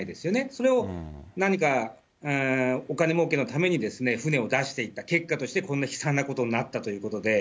それを何か、お金もうけのために船を出していった、結果として、こんな悲惨なことになったということで。